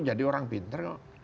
jadi orang pinter